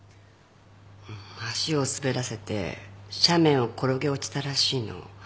足を滑らせて斜面を転げ落ちたらしいの。